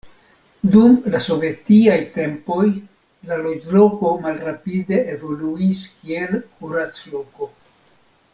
Dum la sovetiaj tempoj la loĝloko malrapide evoluis kiel kurac-loko.